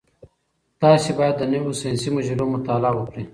تاسي باید د نویو ساینسي مجلو مطالعه وکړئ.